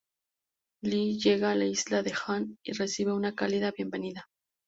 Lee llega a la isla de Han y recibe una cálida bienvenida.